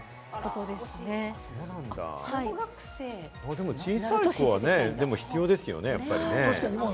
でも小さい子はね、必要ですよね。